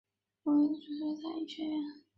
费洛比曾就读波士顿的及塔夫茨大学医学院。